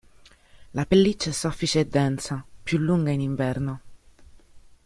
La pelliccia è soffice e densa, più lunga in inverno.